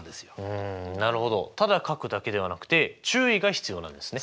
うんなるほどただ書くだけではなくて注意が必要なんですね！